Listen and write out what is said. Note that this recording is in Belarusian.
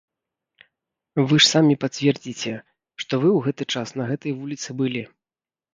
Вы ж самі пацвердзіце, што вы ў гэты час на гэтай вуліцы былі.